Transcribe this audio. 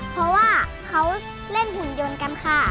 เพราะว่าเขาเล่นหุ่นยนต์กันค่ะ